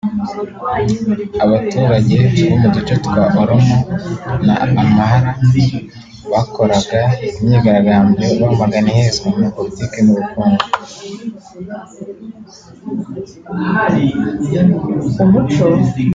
Abaturage bo mu duce twa Oromo na Amhara bakoraga imyigaragambyo bamagana ihezwa muri politiki n’ubukungu